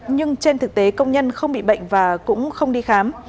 nhưng trên thực tế công nhân không bị bệnh và cũng không đi khám